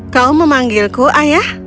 kau memanggilku ayah